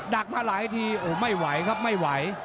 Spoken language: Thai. ักมาหลายทีโอ้ไม่ไหวครับไม่ไหว